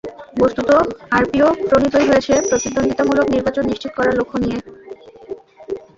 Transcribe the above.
বস্তুত, আরপিও প্রণীতই হয়েছে প্রতিদ্বন্দ্বিতামূলক নির্বাচন নিশ্চিত করার লক্ষ্য নিয়ে।